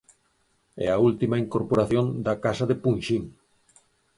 É a última incorporación da casa de Punxín.